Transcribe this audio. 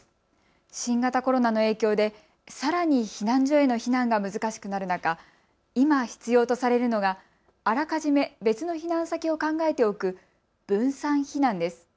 新型コロナの影響でさらに避難所への避難が難しくなる中、今、必要とされるのがあらかじめ別の避難先を考えておく分散避難です。